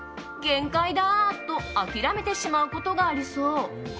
限界だ！と諦めてしまうことがありそう。